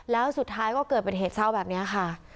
แล้วสุดท้ายก็เกิดเป็นเหตุเศร้าแบบนี้ค่ะ